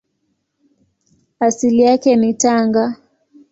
Asili yake ni Tanga.